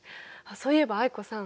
そういえば藍子さん